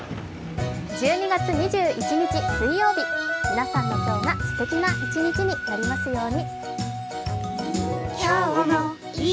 １２月２１日水曜日、皆さんの今日がすてきな一日になりますように。